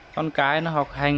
con cái nó học hành